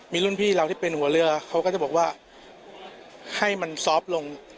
มีรุ่นพี่เราที่เป็นหัวเรือเขาก็จะบอกว่าให้มันซอฟต์ลง